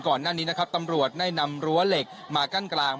ก่อนหน้านี้นะครับตำรวจได้นำรั้วเหล็กมากั้นกลาง